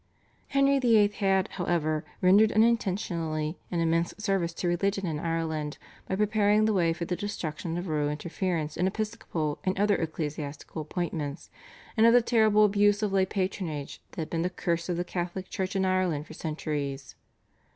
Henry VIII. had, however, rendered unintentionally an immense service to religion in Ireland by preparing the way for the destruction of royal interference in episcopal and other ecclesiastical appointments and of the terrible abuse of lay patronage that had been the curse of the Catholic Church in Ireland for centuries.